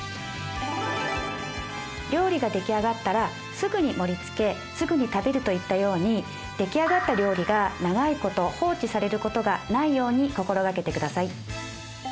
料理が出来上がったらすぐに盛りつけすぐに食べるといったように出来上がった料理が長いこと放置されることがないように心がけてください。